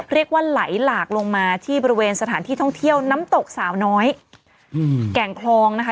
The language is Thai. เรียกว่าไหลหลากลงมาที่บริเวณสถานที่ท่องเที่ยวน้ำตกสาวน้อยอืมแก่งคลองนะคะ